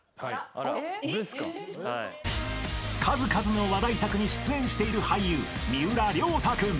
［数々の話題作に出演している俳優三浦太君］